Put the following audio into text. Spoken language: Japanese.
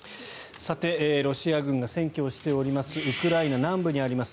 ロシア軍が占拠しているウクライナ南部にあります